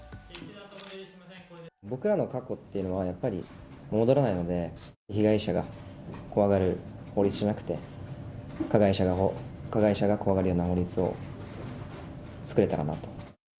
僕らの過去っていうのはやっぱり戻らないので、被害者が怖がる法律じゃなくて、加害者が怖がるような法律を作れたらなと。